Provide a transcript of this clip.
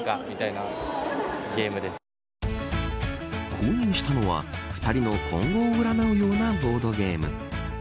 購入したのは２人の今後を占うようなボードゲーム。